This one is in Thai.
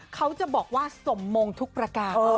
เขาจะบอกว่าสมมงทุกประการ